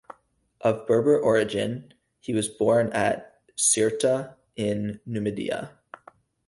Of Berber origin, he was born at Cirta in Numidia.